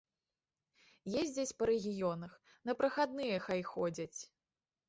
Ездзяць па рэгіёнах, на прахадныя хай ходзяць.